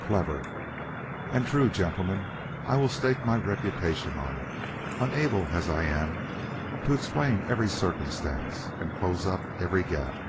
"Clever." "And true, gentlemen; I will stake my reputation on it, unable as I am to explain every circumstance, and close up every gap.